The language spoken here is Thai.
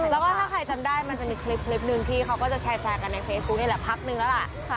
แล้วก็ถ้าใครจำได้มันจะมีคลิปหนึ่งที่เขาก็จะแชร์กันในเฟซบุ๊กนี่แหละพักนึงแล้วล่ะ